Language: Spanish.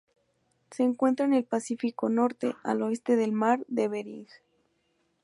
Se encuentra en el Pacífico norte: al oeste del Mar de Bering.